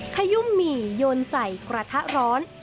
ขยุ่มหมี่โยนใส่กระทะร้อน